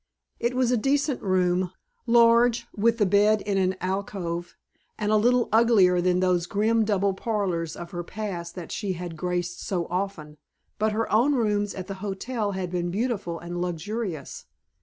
It was a decent room, large, with the bed in an alcove, and little uglier than those grim double parlors of her past that she had graced so often. But her own rooms at the hotel had been beautiful and luxurious.